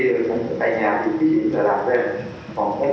thì chúng ta sẽ đẩy nhà giữ ký diện và làm xem